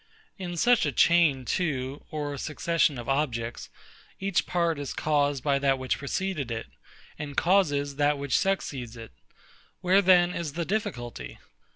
In such a chain, too, or succession of objects, each part is caused by that which preceded it, and causes that which succeeds it. Where then is the difficulty?